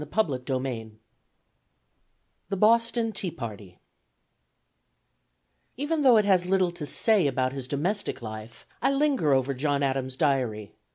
CHAPTER IV THE BOSTON TEA PARTY EVEN though it has little to say about his domestic life, I linger over John Adams' diary.